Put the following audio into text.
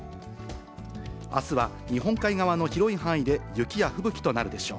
あすは、日本海側の広い範囲で雪や吹雪となるでしょう。